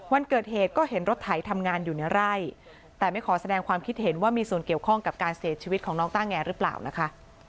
วันเกิดเหตุก็เห็นรถไถทำงานอยู่ในไร่แต่ไม่ขอแสดงความคิดเห็นว่ามีส่วนเกี่ยวข้องกับการเสียชีวิตของน้องต้าแงหรือเปล่านะคะ